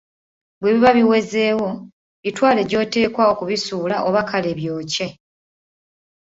Bwebiba biwezeewo, bitwale gy‘oteekwa okubisuula oba kale byokye.